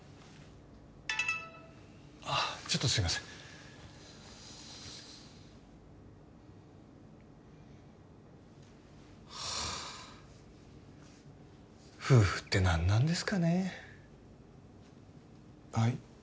あっちょっとすいませんはあ夫婦って何なんですかねはい？